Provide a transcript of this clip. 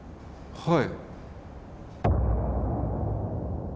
はい。